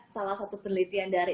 salah satu penelitian dari